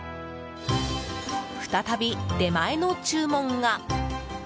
再び出前の注文が。